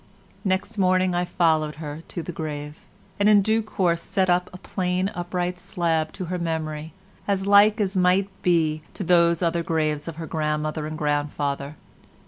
Next morning I followed her to the grave, and in due course set up a plain upright slab to her memory as like as might be to those over the graves of her grandmother and grandfather.